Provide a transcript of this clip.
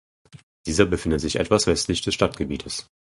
Dieser befindet sich etwas westlich des Stadtgebietes.